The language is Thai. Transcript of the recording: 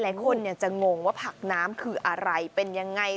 หลายคนจะงงว่าผักน้ำคืออะไรเป็นยังไง